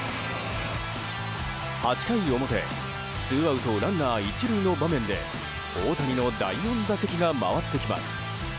８回表ツーアウトランナー１塁の場面で大谷の第４打席が回ってきます。